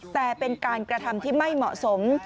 แต่เป็นการกระทำที่ไม่เหมาะสม